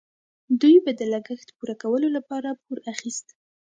دوی به د لګښت پوره کولو لپاره پور اخیست.